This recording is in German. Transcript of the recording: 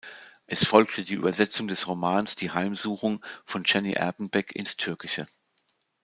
Es folgte die Übersetzung des Romans "Die Heimsuchung" von Jenny Erpenbeck ins Türkische.